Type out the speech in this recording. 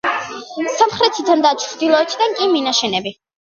სამხრეთიდან და ჩრდილოეთიდან კი, მინაშენები.